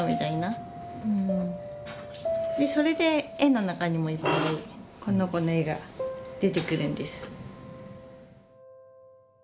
それで絵の中にもいっぱいこの子の絵が出てくるんです。